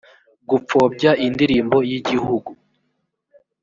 gupfobya indirimbo y igihugu